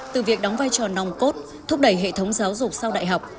từ việc đóng vai trò nòng cốt thúc đẩy hệ thống giáo dục sau đại học